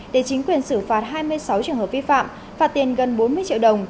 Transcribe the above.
để chính quyền xử phạt hai mươi sáu trường hợp vi phạm phạt tiền gần bốn mươi triệu đồng